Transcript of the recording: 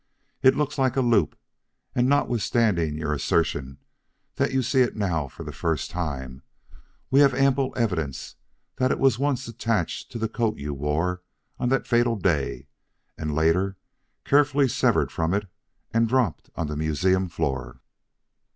"It looks like a loop, and notwithstanding your assertion that you see it now for the first time, we have ample evidence that it was once attached to the coat you wore on that fatal day and later carefully severed from it and dropped on the museum floor."